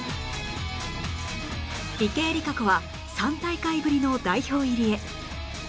池江璃花子は３大会ぶりの代表入りへ